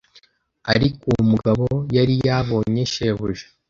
ariko uwo mugabo yari yabonye shebuja